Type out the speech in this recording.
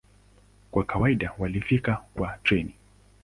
Kwa kawaida walifika kwa treni.